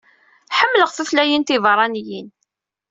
Ḥemmleɣ tutlayin tibeṛaniyen.